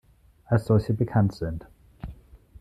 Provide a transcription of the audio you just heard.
Als solche bekannt sind